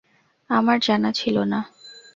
আমার জানা ছিল না।